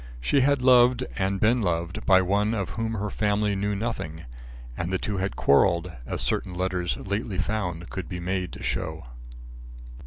She had loved and been loved by one of whom her family knew nothing. And the two had quarrelled, as certain letters lately found could be made to show.